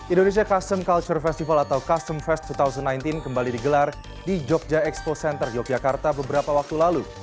indonesia custom culture festival atau custom fest dua ribu sembilan belas kembali digelar di jogja expo center yogyakarta beberapa waktu lalu